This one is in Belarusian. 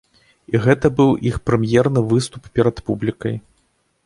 І гэта быў іх прэм'ерны выступ перад публікай.